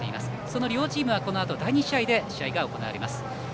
その両チームはこのあと第２試合で試合が行われます。